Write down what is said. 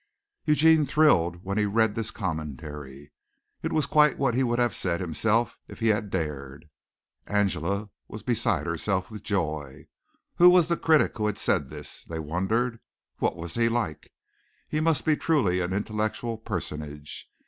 Eugene thrilled when he read this commentary. It was quite what he would have said himself if he had dared. Angela was beside herself with joy. Who was the critic who had said this, they wondered? What was he like? He must be truly an intellectual personage.